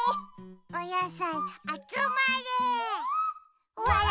おやさいあつまれ。